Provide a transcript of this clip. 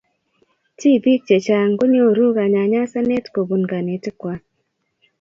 tipik chechang kinyoru kanyanyasanet kopun kanetik kuay